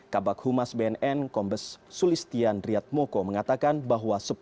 kabak humas bnn kombes sulistian riyadmoko mengatakan bahwa